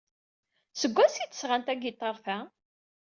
Seg wansi ay d-sɣan tagiṭart-a?